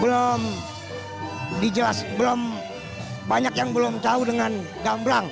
belum dijelas belum banyak yang belum tahu dengan gamblang